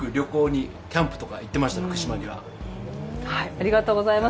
ありがとうございます。